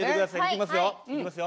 いきますよ。